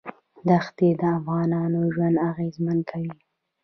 دښتې د افغانانو ژوند اغېزمن کوي.